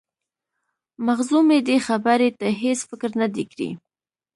مخزومي دې خبرې ته هیڅ فکر نه دی کړی.